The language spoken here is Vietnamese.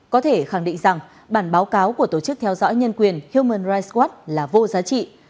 có thể khẳng định rằng bản báo cáo của tổ chức theo dõi nhân quyền human rights watt là vô giá trị